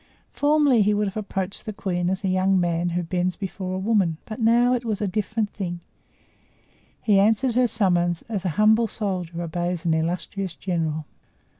Formerly he would have approached the queen as a young man who bends before a woman; but now it was a different thing; he answered her summons as an humble soldier obeys an illustrious general.